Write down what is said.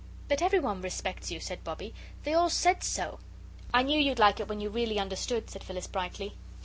"But everyone respects you," said Bobbie; "they all said so." "I knew you'd like it when you really understood," said Phyllis, brightly.